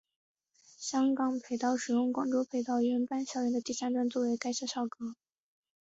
香港培道使用广州培道原版校歌的第三段作为该校校歌。